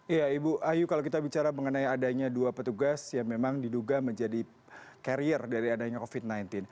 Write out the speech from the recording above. iya ibu ayu kalau kita bicara mengenai adanya dua petugas yang memang diduga menjadi karier dari adanya covid sembilan belas